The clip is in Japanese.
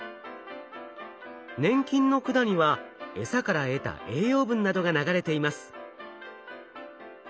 粘菌の管にはえさから得た栄養分などが流れています。